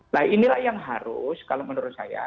nah inilah yang harus kalau menurut saya